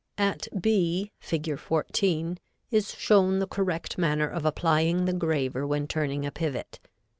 At B, Fig. 14, is shown the correct manner of applying the graver when turning a pivot.